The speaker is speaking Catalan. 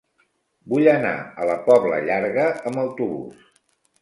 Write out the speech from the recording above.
Vull anar a la Pobla Llarga amb autobús.